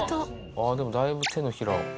ああでもだいぶ、手のひらを。